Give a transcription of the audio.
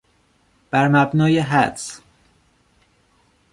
برمبنای حدس